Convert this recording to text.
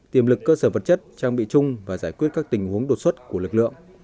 tiềm lực cơ sở vật chất trang bị chung và giải quyết các tình huống đột xuất của lực lượng